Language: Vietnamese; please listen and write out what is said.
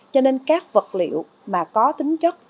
cho nên các vật liệu mà có tính chất